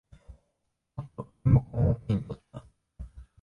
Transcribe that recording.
ぱっとリモコンを手に取った。